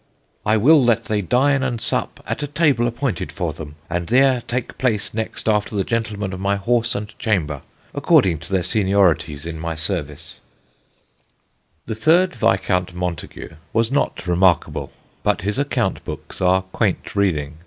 I will that they dyne and suppe att a table appoynted for them, and there take place nexte after the Gentlemen of my Horse and chamber, accordinge to their seniorityes in my service. [Sidenote: THE HOUSE OF MONTAGU] The third Viscount Montagu was not remarkable, but his account books are quaint reading.